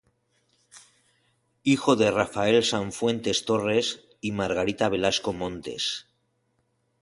Hijo de Rafael Sanfuentes Torres y Margarita Velasco Montes.